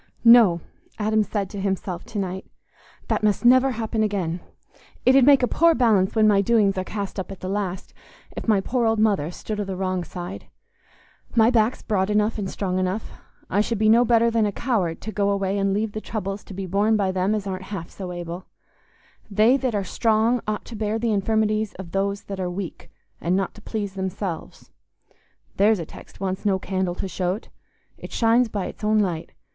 "No!" Adam said to himself to night, "that must never happen again. It 'ud make a poor balance when my doings are cast up at the last, if my poor old mother stood o' the wrong side. My back's broad enough and strong enough; I should be no better than a coward to go away and leave the troubles to be borne by them as aren't half so able. 'They that are strong ought to bear the infirmities of those that are weak, and not to please themselves.' There's a text wants no candle to show't; it shines by its own light.